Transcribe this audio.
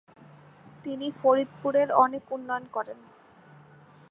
তিনি ফরিদপুরের অনেক উন্নয়ন করেন।